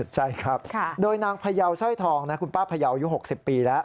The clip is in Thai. ใช่ครับโดยนางพยาวสร้อยทองนะคุณป้าพยาวอายุ๖๐ปีแล้ว